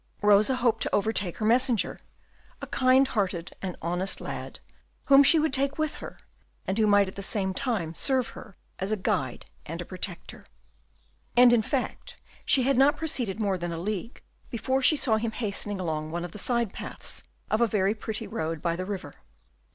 Rosa hoped to overtake her messenger, a kind hearted and honest lad, whom she would take with her, and who might at the same time serve her as a guide and a protector. And in fact she had not proceeded more than a league before she saw him hastening along one of the side paths of a very pretty road by the river.